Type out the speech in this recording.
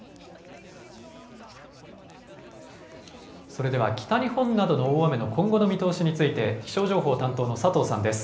それでは北日本などの大雨の今後の見通しについて気象情報担当の佐藤さんです。